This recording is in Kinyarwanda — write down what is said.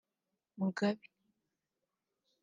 Mugabe